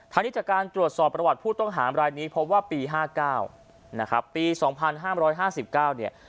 นี้จากการตรวจสอบประวัติผู้ต้องหามรายนี้พบว่าปี๕๙นะครับปี๒๕๕๙เนี่ย